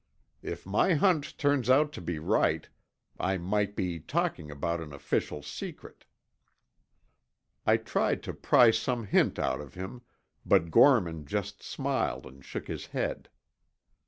If my hunch turns out to be right, I might be talking about an official secret." I tried to pry some hint out of him, but Gorman just smiled and shook his head.